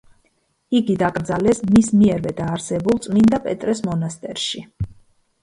იგი დაკრძალეს მის მიერვე დაარსებულ წმინდა პეტრეს მონასტერში.